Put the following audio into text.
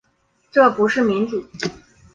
这不是民主